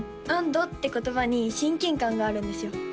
「安堵」って言葉に親近感があるんですよ